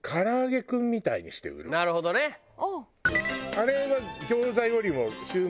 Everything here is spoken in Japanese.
あれは。